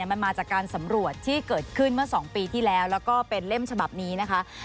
มันมาจากการสำรวจที่เกิดขึ้นเมื่อ๒ปีที่แล้วแล้วก็เป็นเล่มฉบับนี้นะคะ